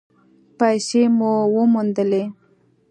پیسې مو وموندلې؟